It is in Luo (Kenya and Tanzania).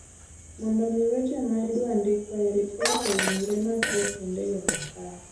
mondo omi weche ma idwa ndiko e ripot owinjore mapiyo kendo e yo makare